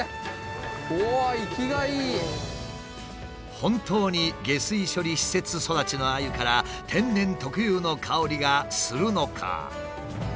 本当に下水処理施設育ちのアユから天然特有の香りがするのか？